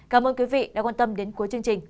cảm ơn quý vị đã quan tâm đến cuối chương trình